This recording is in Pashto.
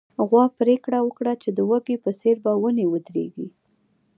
غوا پرېکړه وکړه چې د وزې په څېر په ونې ودرېږي.